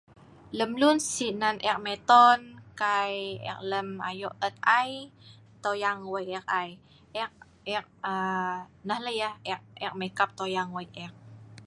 Lem lun si nan ek miton kai ek lem ayo et(tusah) ai, toyang wei ek ai..Yah lah nah, ek mai kap toyang wei ek